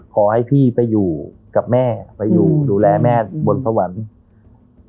ขอให้พี่ไปอยู่กับแม่ไปอยู่ดูแลแม่บนสวรรค์